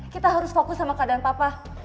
kita harus fokus sama keadaan papa